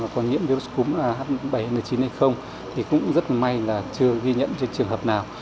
điểm virus cúm ah bảy n chín hay không thì cũng rất may là chưa ghi nhận trường hợp nào